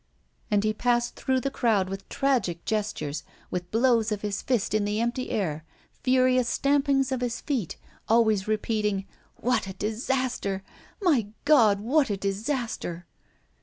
And he passed through the crowd with tragic gestures, with blows of his fist in the empty air, furious stampings of his feet, always repeating: "What a disaster! My God, what a disaster!"